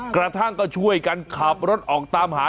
กระทั่งก็ช่วยกันขับรถออกตามหา